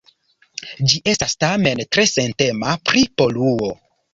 Ĝi estas, tamen, tre sentema pri poluo.